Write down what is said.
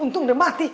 untung udah mati